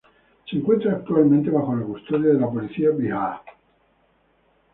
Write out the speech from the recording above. Se encuentra actualmente bajo la custodia de la Policía Bihar.